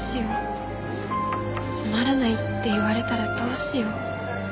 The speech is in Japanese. つまらないって言われたらどうしよう。